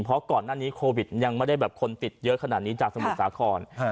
เพราะก่อนหน้านี้โควิดยังไม่ได้แบบคนติดเยอะขนาดนี้จากสมุทรสาคร